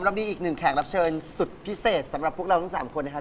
เรามีอีกหนึ่งแขกรับเชิญสุดพิเศษสำหรับพวกเราทั้ง๓คนนะครับ